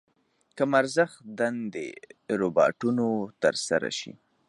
کم ارزښت دندې روباټونو تر سره شي.